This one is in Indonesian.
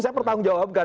saya bertanggung jawabkan